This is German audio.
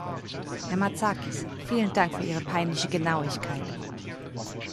Herr Matsakis, vielen Dank für Ihre peinliche Genauigkeit.